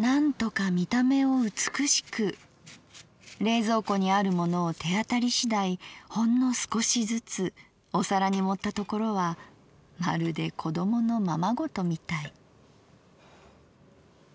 何とか見た眼を美しく冷蔵庫にあるものを手当たり次第ほんのすこしずつお皿に盛ったところはまるで子供のままごとみたい」。